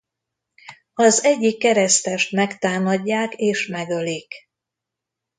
Az egyik keresztest megtámadják és megölik.